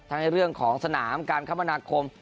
ในเรื่องของสนามการคมนาคม